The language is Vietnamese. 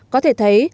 có thể thấy